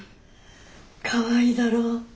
かわいいだろ？